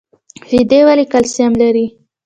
شیدې ولې کلسیم لري؟